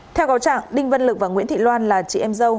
theo cáo trạng đinh văn lực và nguyễn thị loan là chị em dâu